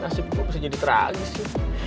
nasib gue bisa jadi tragis ya